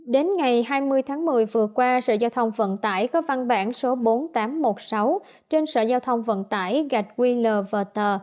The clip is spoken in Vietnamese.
đến ngày hai mươi tháng một mươi vừa qua sở giao thông vận tải có văn bản số bốn nghìn tám trăm một mươi sáu trên sở giao thông vận tải gạch qlver